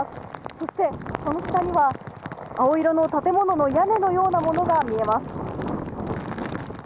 そして、その下には青色の建物の屋根のようなものが見えます。